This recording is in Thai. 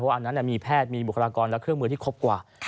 อันนั้นมีแพทย์มีบุคลากรและเครื่องมือที่ครบกว่า